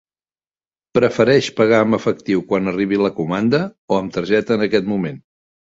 Prefereix pagar amb efectiu quan arribi la comanda o amb targeta en aquest moment?